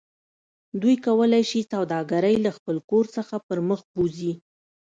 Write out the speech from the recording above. دوی کولی شي سوداګرۍ له خپل کور څخه پرمخ بوځي